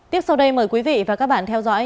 tiếp sau đây mời quý vị và các bạn theo dõi